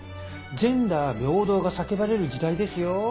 ジェンダー平等が叫ばれる時代ですよ。